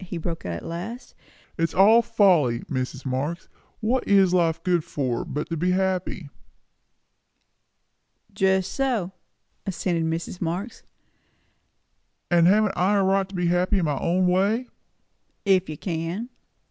he broke out at last. "It is all folly. Mrs. Marx, what is life good for, but to be happy?" "Just so," assented Mrs. Marx. "And haven't I a right to be happy in my own way?" "If you can."